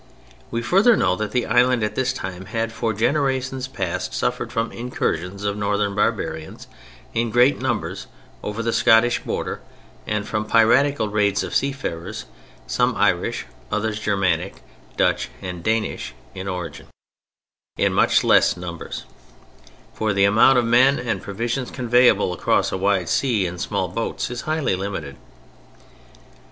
We further know that the island at this time had for generations past suffered from incursions of Northern barbarians in great numbers over the Scottish border and from piratical raids of seafarers (some Irish, others Germanic, Dutch and Danish in origin) in much lesser numbers, for the amount of men and provisions conveyable across a wide sea in small boats is highly limited.